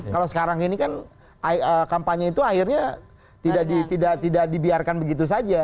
kalau sekarang ini kan kampanye itu akhirnya tidak dibiarkan begitu saja